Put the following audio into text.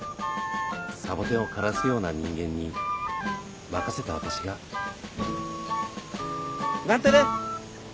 サボテンを枯らすような人間に任せた私が。なんてね。